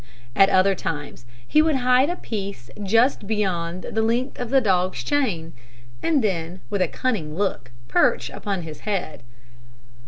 At other times he would hide a piece just beyond the length of the dog's chain, and then, with a cunning look, perch upon his head.